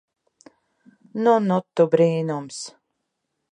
Nu nu tu brīnums.